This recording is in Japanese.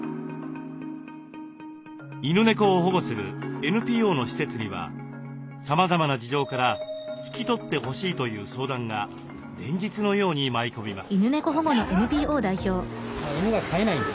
犬猫を保護するＮＰＯの施設にはさまざまな事情から引き取ってほしいという相談が連日のように舞い込みます。